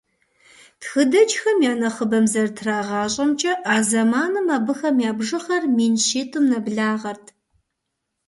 Тхыдэджхэм я нэхъыбэм зэрытрагъащӏэмкӏэ, а зэманым абыхэм я бжыгъэр мин щитӏым нэблагъэрт.